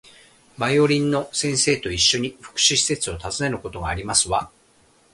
バイオリンの先生と一緒に、福祉施設を訪ねることがありますわ